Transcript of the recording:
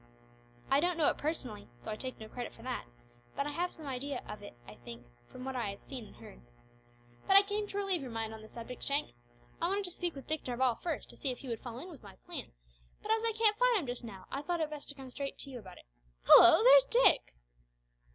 "I don't know it personally though I take no credit for that but I have some idea of it, I think, from what I have seen and heard. But I came to relieve your mind on the subject, Shank. I wanted to speak with Dick Darvall first to see if he would fall in with my plan, but as I can't find him just now I thought it best to come straight to you about it. Hallo! There is Dick."